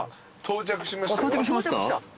到着しました？